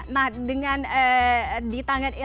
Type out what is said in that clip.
nah dengan di tangan elon musk